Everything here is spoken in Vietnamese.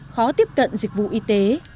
khó tiếp cận dịch vụ y tế